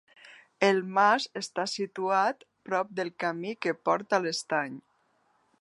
El mas està situat prop del camí que porta a l'Estany.